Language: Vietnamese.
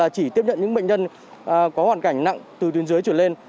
chỉ tiếp nhận những bệnh nhân có hoàn cảnh nặng từ tuyến dưới trở lên